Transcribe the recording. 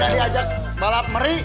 daripada diajak balap meri